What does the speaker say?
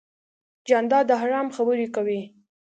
جانداد د ارام خبرې کوي.